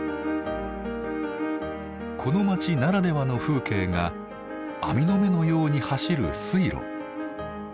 この街ならではの風景が網の目のように走る水路。